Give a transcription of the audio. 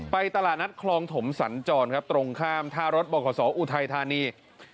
ตลาดนัดคลองถมสัญจรครับตรงข้ามท่ารถบขศอุทัยธานี